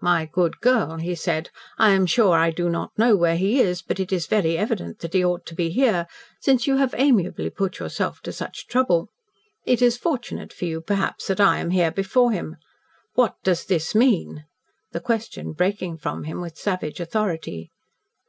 "My good girl," he said, "I am sure I do not know where he is but it is very evident that he ought to be here, since you have amiably put yourself to such trouble. It is fortunate for you perhaps that I am here before him. What does this mean?" the question breaking from him with savage authority.